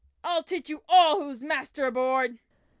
I'll teach you all who is master aboard!"